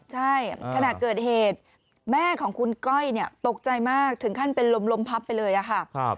ใช่ขณะเกิดเหตุแม่ของคุณก้อยตกใจมากถึงขั้นเป็นลมพับไปเลยค่ะ